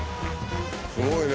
すごいね！